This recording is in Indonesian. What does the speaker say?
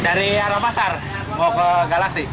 dari arah pasar mau ke galaksi